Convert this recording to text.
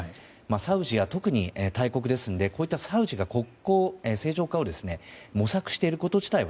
サウジは特に大国ですのでこういったサウジが国交正常化を模索していること自体